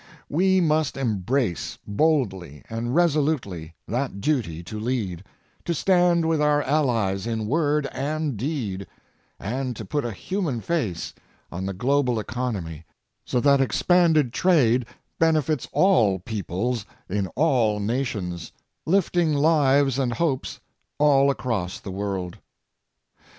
We must embrace boldly and resolutely that duty to lead, to stand with our allies in word and deed and to put a human face on the global economy so that expanded trade benefits all peoples in all nations, lifting lives and hopes all across the world.